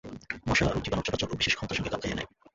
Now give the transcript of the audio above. মশা রোগজীবাণুর চলাচল ও বিশেষ ক্ষমতার সঙ্গে খাপ খাইয়ে নেয়।